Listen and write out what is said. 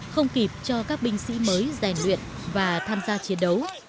không kịp cho các binh sĩ mới rèn luyện và tham gia chiến đấu